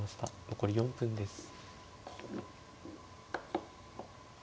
残り４分です。